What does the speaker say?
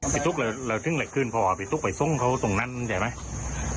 พี่ทุกข์เราถึงเหล็กคืนพอพี่ทุกข์ไปส่งเขาตรงนั้นใช่ไหม